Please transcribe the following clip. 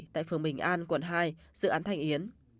tại phường bình an quận hai dự án thành yến